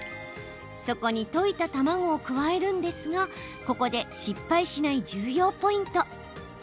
そこに溶いた卵を加えるんですがここで失敗しない重要ポイント。